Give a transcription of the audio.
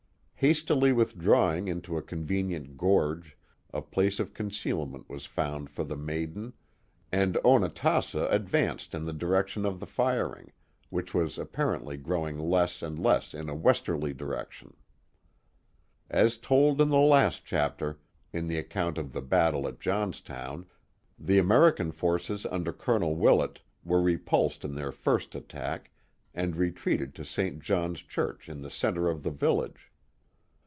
Hastily withdrawing into a convenient gorge, a place of con cealment was found for the maiden, and Onatassa advanced in the direction of the firing, which was apparently growing less and less in a westerly direction. As told in the Itst chapter, in the account of the battle at Johnstown, the .'Vmerican forces under Colonel Willett were repulsed in their first attack and retreated to St. John's Church in the centre of the village.